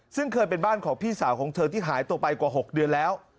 ซึ่งเคยเป็นบ้านของพี่สาวของเธอที่หายตัวไปกว่า๖เดือนแล้ว